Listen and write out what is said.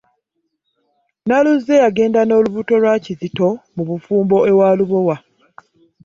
Naluzze yagenda n'olubuto lwa Kizito mu bufumbo ewa Lubowa.